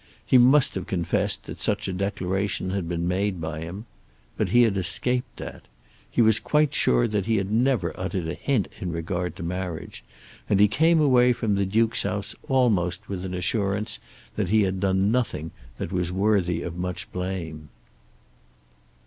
He must have confessed that such a declaration had been made by him. But he had escaped that. He was quite sure that he had never uttered a hint in regard to marriage, and he came away from the Duke's house almost with an assurance that he had done nothing that was worthy of much blame.